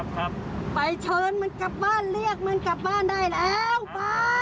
ครับไปเชิญมันกลับบ้านเรียกมันกลับบ้านได้แล้วป้า